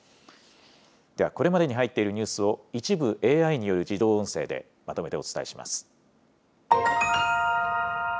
ではこれまでに入っているニュースを、一部ＡＩによる自動音声でまとめてお伝えします。